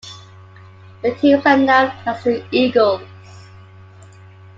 The teams are known as the Eagles.